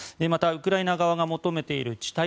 またウクライナ側が求めている地